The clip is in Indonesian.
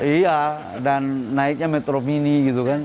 iya dan naiknya metro mini gitu kan